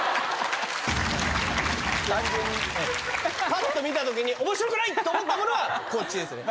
パッと見たときに面白くないって思ったものはこっちですね。